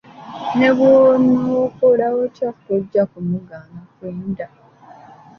Ne bw’onookola otya tojja kumugaana kwenda.